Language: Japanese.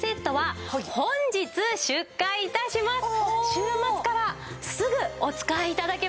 週末からすぐお使い頂けます。